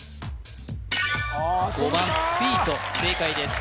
５番フィート正解です